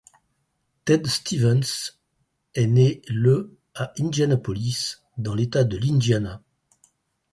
Ted Stevens est né le à Indianapolis dans l'État de l'Indiana.